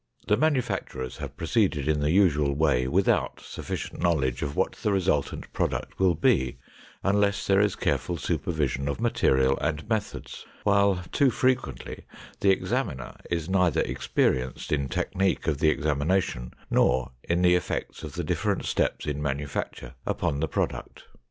The manufacturers have proceeded in the usual way without sufficient knowledge of what the resultant product will be unless there is careful supervision of material and methods, while too frequently the examiner is neither experienced in technique of the examination nor in the effects of the different steps in manufacture upon the product.